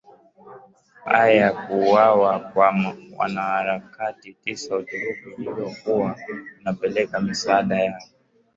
a ya kuuwawa kwa wanaharakati tisa uturuki ualiokuwa unapeleka misaada yao